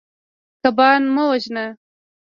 کبان مه وژنه.